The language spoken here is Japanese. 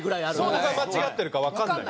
どこが間違ってるかわかんない。